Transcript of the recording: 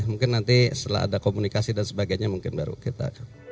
mungkin nanti setelah ada komunikasi dan sebagainya mungkin baru kita